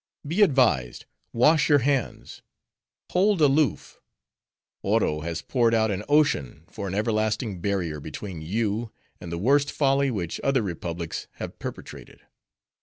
Be advised; wash your hands. Hold aloof. Oro has poured out an ocean for an everlasting barrier between you and the worst folly which other republics have perpetrated.